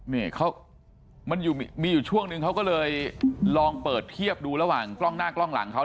นี่มันมีอยู่ช่วงนึงเขาก็เลยลองเปิดเทียบดูระหว่างกล้องหน้ากล้องหลังเขา